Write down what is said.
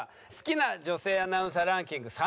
好きな女性アナウンサーランキング